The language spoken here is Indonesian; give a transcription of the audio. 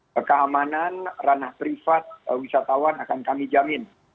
keamanan ranah privat wisatawan akan kami jamin